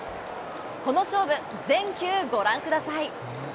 この勝負、全球ご覧ください。